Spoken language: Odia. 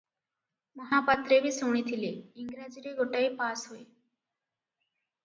ମହାପାତ୍ରେ ବି ଶୁଣିଥିଲେ, ଇଂରାଜୀରେ ଗୋଟାଏ ପାସ ହୁଏ ।